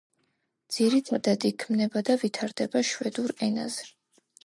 ძირითადად იქმნება და ვითარდება შვედურ ენაზე.